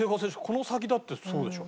この先だってそうでしょ。